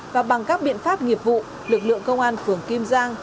và bằng các biện pháp nghiệp vụ lực lượng công an phường kim giang